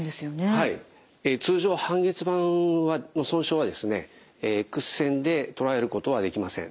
通常半月板の損傷はですねエックス線でとらえることはできません。